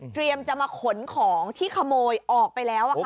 เตรียมจะมาขนของที่ขโมยออกไปแล้วอ่ะค่ะ